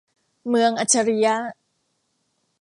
เมืองอัจฉริยะ